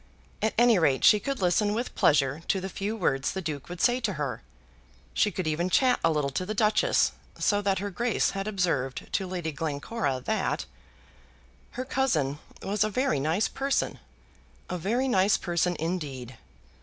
At any rate she could listen with pleasure to the few words the Duke would say to her. She could even chat a little to the Duchess, so that her Grace had observed to Lady Glencora that "her cousin was a very nice person, a very nice person indeed.